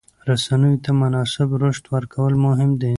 رسنیو ته مناسب رشد ورکول مهم دي.